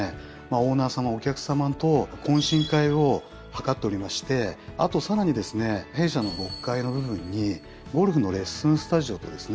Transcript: オーナーさまお客さまと懇親会を図っておりましてあとさらにですね弊社の６階の部分にゴルフのレッスンスタジオとですね